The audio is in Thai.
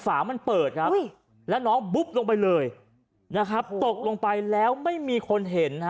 ฝามันเปิดและน้องบุ๊บลงไปเลยตกลงไปแล้วไม่มีคนเห็น